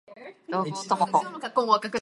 洞口朋子